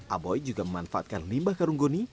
aboy juga memanfaatkan limbah karung goni